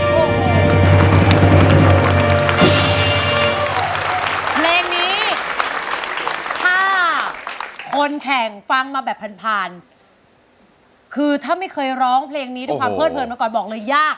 เพลงนี้ถ้าคนแข่งฟังมาแบบผ่านผ่านคือถ้าไม่เคยร้องเพลงนี้ด้วยความเลิดเลิดมาก่อนบอกเลยยาก